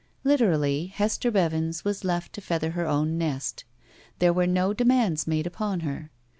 Literally, Hester Bevins was left to feather her own nest. There were no demands made upon her.